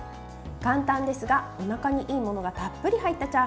簡単ですが、おなかにいいものがたっぷり入ったチャーハン。